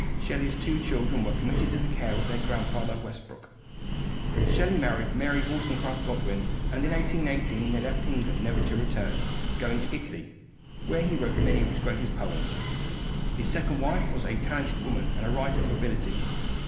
Shelley's two children were committed to the care of their grandfather Westbrook. Shelley married Mary Wollstonecraft Godwin, and in 1818 they left England, never to return, going to Italy, where he wrote many of his greatest poems. His second wife was a talented woman and a writer of ability.